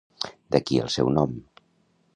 D'aquí el seu nom.